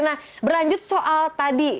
nah berlanjut soal tadi